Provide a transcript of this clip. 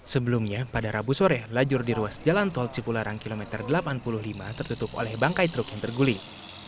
sebelumnya pada rabu sore lajur di ruas jalan tol cipularang kilometer delapan puluh lima tertutup oleh bangkai truk yang terguling